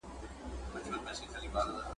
چي تر څو په دې وطن کي هوښیاران وي ..